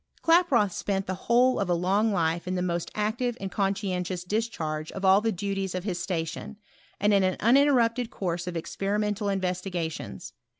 Klaproth spent tl^ whole of a long life in the most active and conscientious discharge of all the duties of his station, and in an uninterrupted course •f experimental investigations.